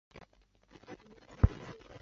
达瓦齐仅带少数人仓皇南逃。